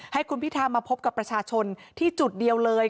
ให้คุณพิธามาพบกับประชาชนที่จุดเดียวเลย